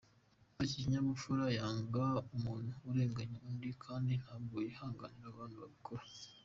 Agira ikinyabupfura , yanga umuntu urenganya undi kandi ntabwo yihanganira abantu babikora.